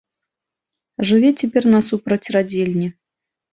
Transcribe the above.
Жыве цяпер насупраць радзільні.